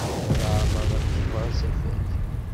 Laɛmeṛ rkibeɣ asafag.